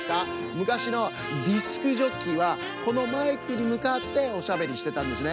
むかしのディスクジョッキーはこのマイクにむかっておしゃべりしてたんですね。